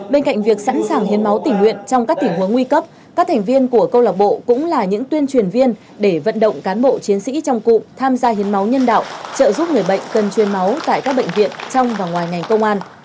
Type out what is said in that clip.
bên cạnh việc sẵn sàng hiến máu tỉnh nguyện trong các tình huống nguy cấp các thành viên của câu lạc bộ cũng là những tuyên truyền viên để vận động cán bộ chiến sĩ trong cụm tham gia hiến máu nhân đạo trợ giúp người bệnh cần chuyên máu tại các bệnh viện trong và ngoài ngành công an